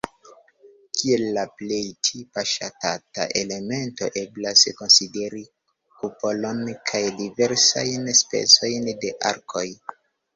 Kiel la plej tipa ŝatata elemento eblas konsideri kupolon kaj diversajn specojn de arkoj.